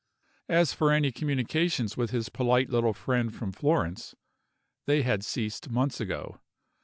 As for any communications with his polite little friend from Florence, they had ceased months ago.